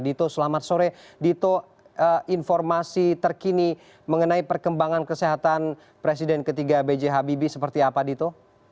dito selamat sore dito informasi terkini mengenai perkembangan kesehatan presiden ketiga b j habibie seperti apa dito